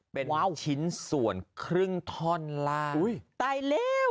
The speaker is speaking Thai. เป็นชิ้นส่วนครึ่งท่อนราก